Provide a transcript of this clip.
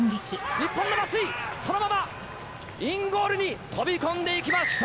日本の松井そのままインゴールに飛び込んでいきました！